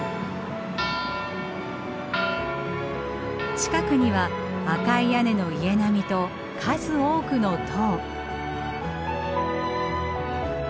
近くには赤い屋根の家並みと数多くの塔。